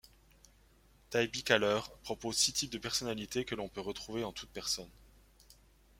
Taibi Kahler propose six types de personnalité que l'on peut retrouver en toute personne.